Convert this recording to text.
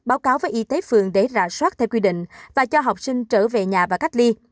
báo cáo với y tế phường để rà soát theo quy định và cho học sinh trở về nhà và cách ly